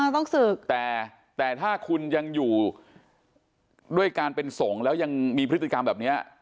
ต้องศึกแต่แต่ถ้าคุณยังอยู่ด้วยการเป็นสงฆ์แล้วยังมีพฤติกรรมแบบนี้